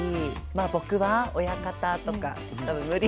あ僕は親方とか多分無理。